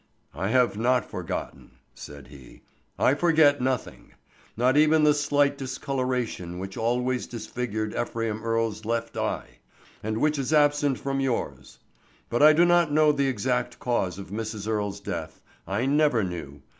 "I have not forgotten," said he. "I forget nothing; not even the slight discoloration which always disfigured Ephraim Earle's left eye, and which is absent from yours. But I do not know the exact cause of Mrs. Earle's death. I never knew.